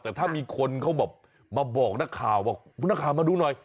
แต่ถ้ามีคนเขามาบอกนักข่าวว่านักข่าวมาดูหน่อย